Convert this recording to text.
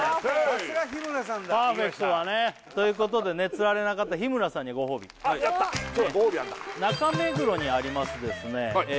さすが日村さんだパーフェクトだねということでねつられなかった日村さんにご褒美あっやった今日ご褒美あるんだ中目黒にありますですねえ